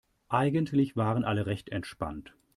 Eigentlich waren alle recht entspannt.